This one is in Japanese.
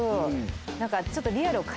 何かちょっと。